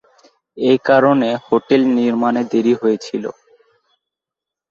এ কারণে হোটেল নির্মাণে দেরি হয়েছিল।